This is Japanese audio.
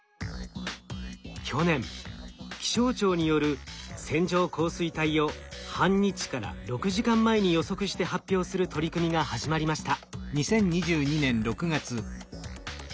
去年気象庁による線状降水帯を半日から６時間前に予測して発表する取り組みが始まりました。